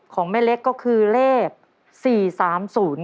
ของแม่เล็กก็คือเรียบ